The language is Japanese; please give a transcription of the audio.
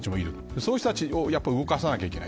そういう人たちを動かさきゃいけない